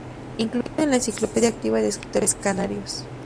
Incluido en la Enciclopedia Activa de Escritores Canarios.